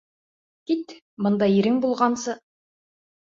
Кит. Бындай ирең булғансы...